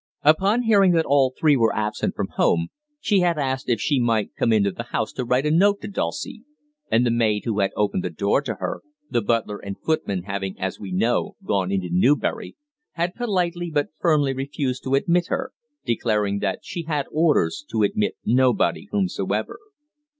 Upon hearing that all three were absent from home, she had asked if she might come into the house to write a note to Dulcie, and the maid who had opened the door to her the butler and footman having, as we know, gone into Newbury had politely but firmly refused to admit her, declaring that she had orders to admit nobody whomsoever.